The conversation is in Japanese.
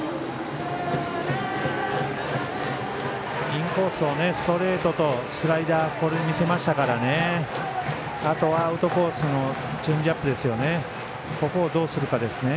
インコースをストレートとスライダーを見せましたからあとはアウトコースのチェンジアップですね。